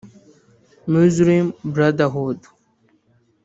Muslim Brotherhood